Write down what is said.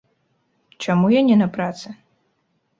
Чаму я не на працы?